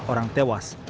lima orang tewas